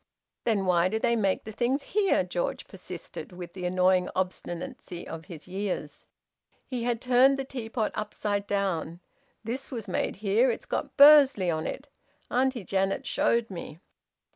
"Then why do they make the things here?" George persisted; with the annoying obstinacy of his years. He had turned the teapot upside down. "This was made here. It's got `Bursley' on it. Auntie Janet showed me."